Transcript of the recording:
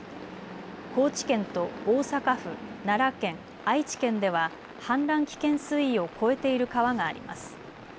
高知県と大阪府、奈良県、愛知県では氾濫危険水位を超えている川があります。